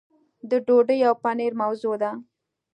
د ډوډۍ او پنیر موضوع ده.